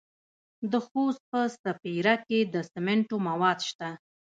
د خوست په سپیره کې د سمنټو مواد شته.